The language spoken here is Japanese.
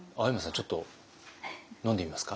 ちょっと飲んでみますか？